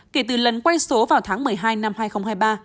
kể từ lần quay số vào tháng một mươi hai năm hai nghìn hai mươi ba